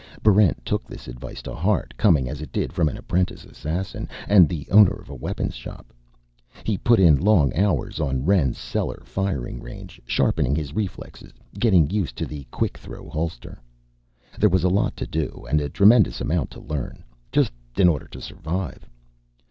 Barrent took this advice to heart, coming, as it did, from an apprentice assassin and the owner of a weapon shop. He put in long hours on Rend's cellar firing range, sharpening his reflexes, getting used to the Quik Thro holster. There was a lot to do and a tremendous amount to learn, just in order to survive.